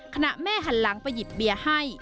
แม่หันหลังไปหยิบเบียร์ให้